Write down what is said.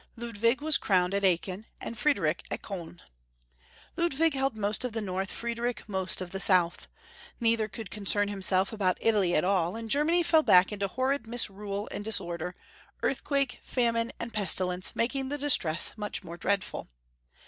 Ludwig was crowned at Aachen, and Friedrich at Kohi. Ludwig held most of the north, Friediich most of the south. Neither could concern himself about Italy at all, and Germany fell back into horrid misrule and disorder, earth quake, famine, and pestilence making the distress much more dreadful.